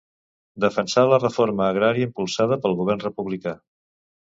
Defensà la reforma agrària impulsada pel Govern republicà.